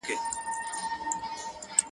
o لږ ګرېوان درته قاضي کړﺉ؛ دا یو لویه ضایعه,